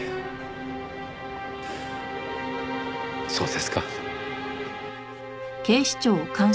そうですか。